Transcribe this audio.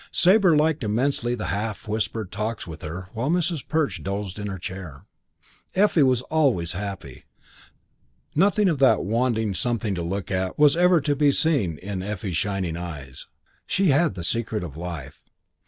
Sabre liked immensely the half whispered talks with her while Mrs. Perch dozed in her chair. Effie was always happy. Nothing of that wanting something look was ever to be seen in Effie's shining eyes. She had the secret of life.